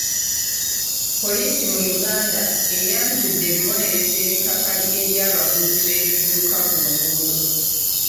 Poliisi mu Uganda eyanjudde ebibonerezo ebikakali eri abavuzi b'ebidduka ku nguudo.